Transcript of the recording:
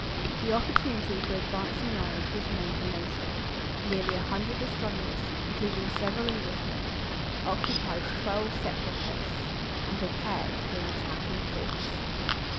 The opportunity for advancing knowledge was made the most of. Nearly a hundred astronomers, including several Englishmen, occupied twelve separate posts, and prepared for an attack in force.